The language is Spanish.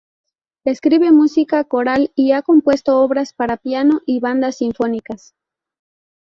Escribe música coral y ha compuesto obras para piano y bandas sinfónicas.